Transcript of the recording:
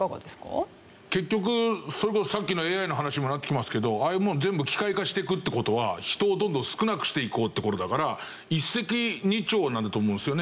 結局それこそさっきのＡＩの話にもなってきますけどああいうものを全部機械化していくって事は人をどんどん少なくしていこうって事だから一石二鳥なんだと思うんですよね。